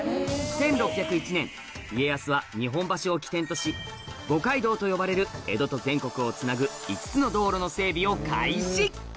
１６０１年家康は日本橋を起点とし五街道と呼ばれる江戸と全国をつなぐ五つの道路の整備を開始